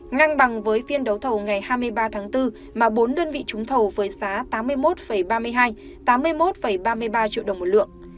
ngang bằng với phiên đấu thầu ngày hai mươi ba tháng bốn mà bốn đơn vị trúng thầu với giá tám mươi một ba mươi hai tám mươi một ba mươi ba triệu đồng một lượng